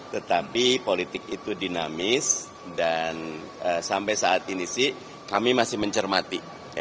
tetapi politik itu dinamis dan sampai saat ini sih kami masih mencermati